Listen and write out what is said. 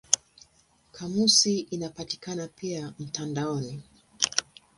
Kamusi inapatikana pia mtandaoni.